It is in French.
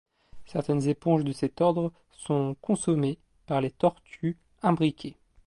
Certaines éponges de cet ordre sont consommées par les tortues imbriquées.